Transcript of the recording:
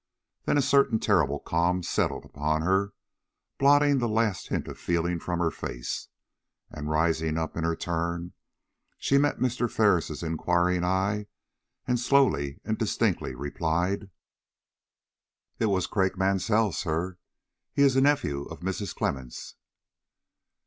Then a certain terrible calm settled upon her, blotting the last hint of feeling from her face, and, rising up in her turn, she met Mr. Ferris' inquiring eye, and slowly and distinctly replied: "It was Craik Mansell, sir. He is a nephew of Mrs. Clemmens."